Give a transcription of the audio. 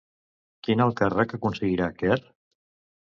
Quin alt càrrec aconseguiria Quer?